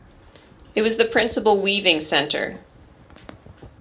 It was the principal weaving centre.